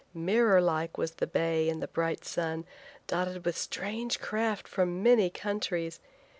Mirror like was the bay in the bright sun, dotted with strange craft from many countries.